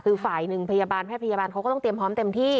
คือฝ่ายหนึ่งพยาบาลแพทยพยาบาลเขาก็ต้องเตรียมพร้อมเต็มที่